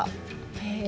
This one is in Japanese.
へえ。